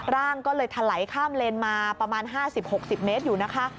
ร่างก็เลยถลายข้ามเลนมาประมาณ๕๐๖๐เมตรอยู่นะคะ